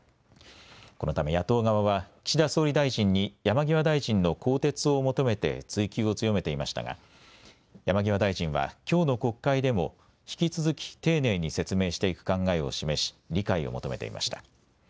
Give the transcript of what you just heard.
このため野党側は岸田総理大臣に山際大臣の更迭を求めて追及を強めていましたが山際大臣はきょうの国会でも引き続き丁寧に説明していく考えを示し理解を求めていました。